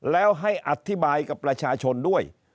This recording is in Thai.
แล้วให้อธิบายกับประชาชนด้วย